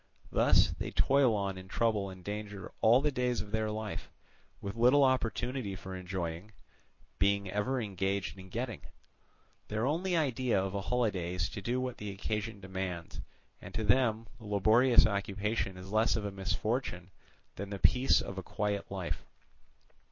Thus they toil on in trouble and danger all the days of their life, with little opportunity for enjoying, being ever engaged in getting: their only idea of a holiday is to do what the occasion demands, and to them laborious occupation is less of a misfortune than the peace of a quiet life.